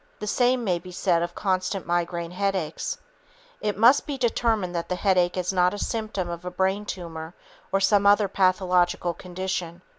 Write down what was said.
The same may be said of constant migraine headaches. It must be determined that the headache is not a symptom of a brain tumor or some other pathological condition.